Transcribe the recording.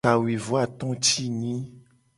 Kawuivoato ti enyi.